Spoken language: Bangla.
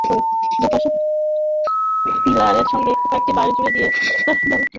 দুপাশের পিলারের সঙ্গে কয়েকটি বাঁশ জুড়ে দিয়ে খাল পারাপারের ব্যবস্থা হয়েছে।